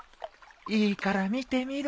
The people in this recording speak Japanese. いいから見てみろ。